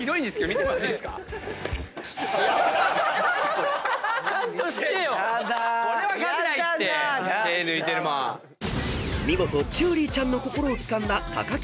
［見事ちゅーりーちゃんの心をつかんだ木と八乙女］